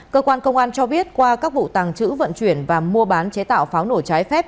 cơ quan công an cho biết qua các vụ tàng trữ vận chuyển và mua bán chế tạo pháo nổ trái phép